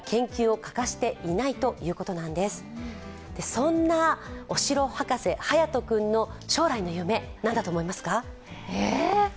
そんなお城博士、勇斗君の将来の夢、何だと思いますか？